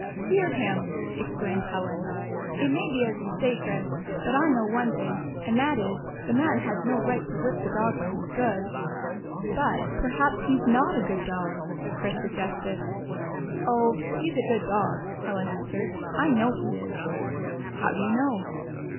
" Hear him," exclaimed Helen. " It may be as you say, Chris. But I know one thing, and that is, the man has no right to whip the dog when he 's good." " But, perhaps, he 's not a good dog," Chris suggested. " Oh, he *s a good dog," Helen answered. "I know he is." " How do you know